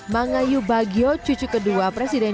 mangayu bagio cucu kedua presiden